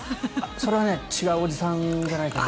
それは違うおじさんじゃないかな？